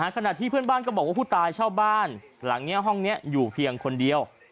ขณะที่เพื่อนบ้านก็บอกว่าผู้ตายเช่าบ้านหลังนี้ห้องนี้อยู่เพียงคนเดียว